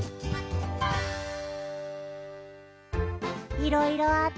いろいろあったね。